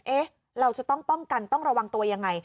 เอ๊ะเราจะต้องป้องกันต้องระวังตัวยังไง